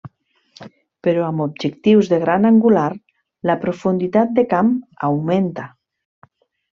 Però amb objectius de gran angular, la profunditat de camp augmenta.